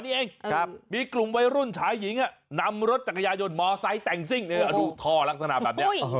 นี่เองครับมีกลุ่มวัยรุ่นชายหญิงนำรถจักรยายนมอไซด์แต่งซิ่งโอ้โหทอลักษณะแบบนี้อ้อหูย